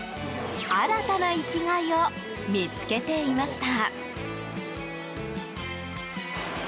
新たな生きがいを見つけていました。